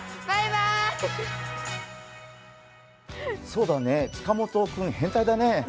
そうだね、塚本君、変態だね。